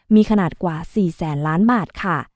มีขนาดกว่า๔แสนล้านบาทค่ะ